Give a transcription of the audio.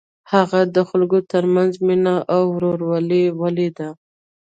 هغه د خلکو تر منځ مینه او ورورولي ولیده.